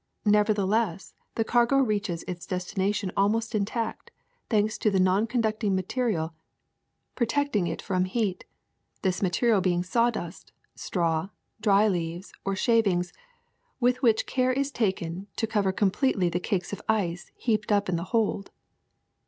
Nevertheless the cargo reaches its destination almost intact, thanks to the non conducting material protecting it from the 82 HUMAN HABITATIONS 83 heat, this material being sawdust, straw, dry leaves, or shavings, with which care is taken to cover com pletely the cakes of ice heaped up in the hold.